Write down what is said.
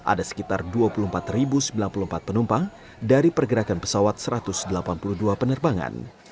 ada sekitar dua puluh empat sembilan puluh empat penumpang dari pergerakan pesawat satu ratus delapan puluh dua penerbangan